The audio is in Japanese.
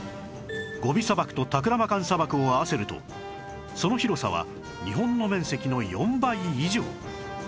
ゴビ砂漠とタクラマカン砂漠を合わせるとその広さは日本の面積の４倍以上